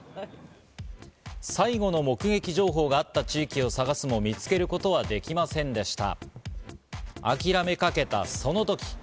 最後の目撃情報があった地域を探すも見つけることはできませんでした。